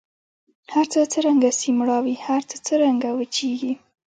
هرڅه څرنګه سي مړاوي هر څه څرنګه وچیږي